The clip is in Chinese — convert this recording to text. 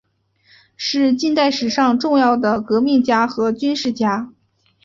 是近代史上重要的革命家和军事家。